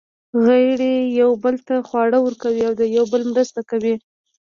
غړي یوه بل ته خواړه ورکوي او د یوه بل مرسته کوي.